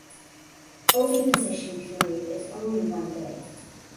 Oviposition period is only one day.